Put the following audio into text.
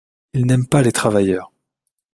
Ils n’aiment pas les travailleurs.